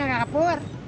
bisa kak kapur